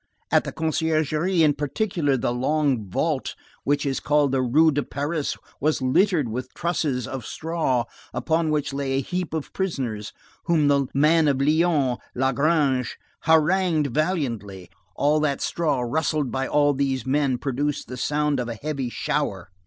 At the Conciergerie in particular, the long vault which is called the Rue de Paris was littered with trusses of straw upon which lay a heap of prisoners, whom the man of Lyons, Lagrange, harangued valiantly. All that straw rustled by all these men, produced the sound of a heavy shower.